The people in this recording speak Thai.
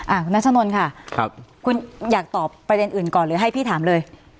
คุณนัชนนค่ะครับคุณอยากตอบประเด็นอื่นก่อนหรือให้พี่ถามเลย